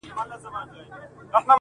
چې نه را درومې انتظار راباندې ولې کوې